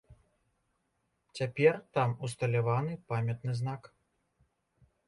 Цяпер там усталяваны памятны знак.